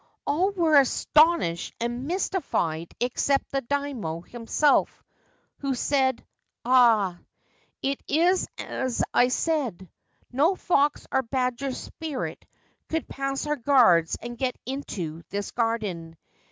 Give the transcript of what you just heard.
All were astounded and mystified except the Daimio himself, who said :' Ah ! it is as I said. No fox or badger spirit could pass our guards and get into this garden.